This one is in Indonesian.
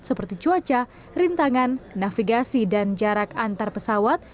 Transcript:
seperti cuaca rintangan navigasi dan jarak antar pesawat